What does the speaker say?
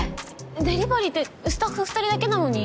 デリバリーってスタッフ２人だけなのに？